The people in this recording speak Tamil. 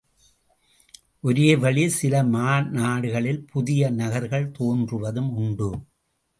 ஒரோவழி சில மாநாடுகளில் புதிய நகர்கள் தோன்றுவதும் உண்டு.